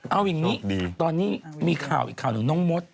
เอาอย่างนี้ตอนนี้มีข่าวอีกข่าวหนึ่งน้องมด